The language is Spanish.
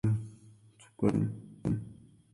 Su cuartel general se estableció en Artesa de Segre.